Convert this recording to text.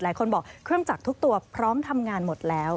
หลายคนบอกเครื่องจักรทุกตัวพร้อมทำงานหมดแล้ว